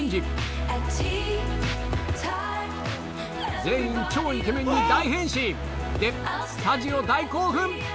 全員超イケメンに大変身！でスタジオ大興奮！